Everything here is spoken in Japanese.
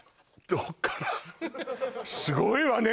どっからすごいわね